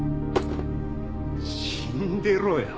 死んでろよ